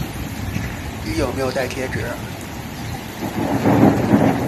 你有没有带贴纸